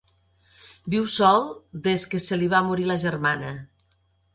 Viu sol, des que se li va morir la germana.